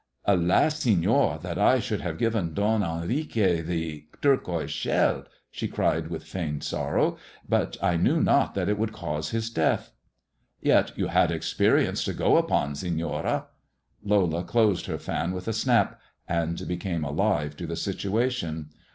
" Alas, Senor, that I should have given Don Henriquez the turquoise skuU !" she cried, with feigned sorrow ;" but I knew not that it would cause his death." " Yet you had experience to go upon, Senora." Lola closed her fan with a snap, and became alive to the situation.